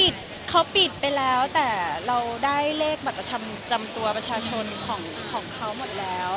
เธอปิดไปแล้วแต่เราได้เลขบัตรประชาชนของเค้าหมดแล้ว